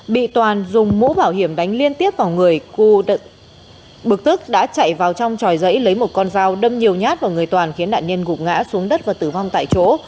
bị toàn dùng mũ bảo hiểm đánh liên tiếp vào người cư bực tức đã chạy vào trong tròi dãy lấy một con dao đâm nhiều nhát vào người toàn khiến nạn nhân gục ngã xuống đất và tử vong tại chỗ